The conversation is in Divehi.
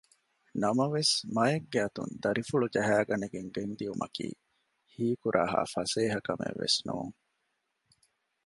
ނަމަވެސް މައެއްގެ އަތުން ދަރިފުޅު ޖަހައިގަނެގެން ގެންދިއުމަކީ ހީކުރާހާ ފަސޭހަ ކަމެއްވެސް ނޫން